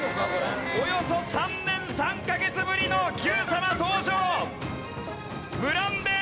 およそ３年３カ月ぶりの『Ｑさま！！』登場！